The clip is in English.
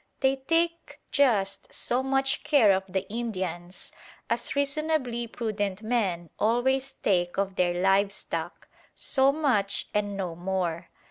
They take just so much care of the Indians as reasonably prudent men always take of their live stock; so much and no more.